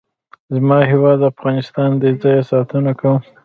زما هیواد افغانستان دی. زه یې ساتنه کوم.